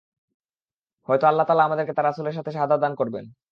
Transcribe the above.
হয়তো আল্লাহ তাআলা আমাদেরকে তাঁর রাসূলের সাথে শাহাদাত দান করবেন।